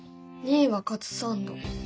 ２位はカツサンド。